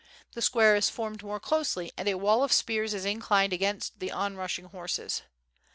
The square is formed more closely and a wall of spears is inclined against the onrushing horses.